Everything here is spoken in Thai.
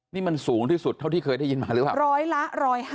นี่มันสูงที่สุดเท่าที่เคยได้ยินมาหรือเปล่า